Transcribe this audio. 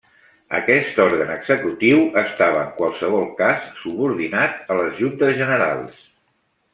Aquest òrgan executiu estava en qualsevol cas subordinat a les Juntes Generals.